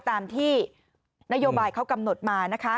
ตามที่นโยบายเขากำหนดมานะคะ